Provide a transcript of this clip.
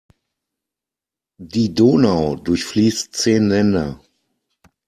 Die Donau durchfließt zehn Länder.